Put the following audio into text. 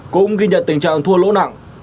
cũng ghi nhận tình trạng thua lỗ nặng